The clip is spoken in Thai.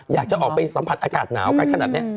อยากจะออกไปสัมผัสอากาศหนาวกันขนาดนี้